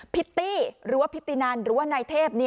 ิตตี้หรือว่าพิธีนันหรือว่านายเทพ